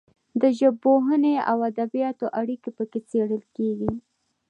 د ژبپوهنې او ادبیاتو اړیکې پکې څیړل کیږي.